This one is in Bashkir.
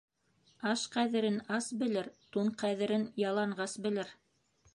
Аш ҡәҙерен ас белер, тун ҡәҙерен яланғас белер.